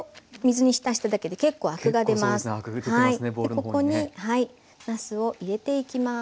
ここになすを入れていきます。